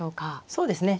そうですね。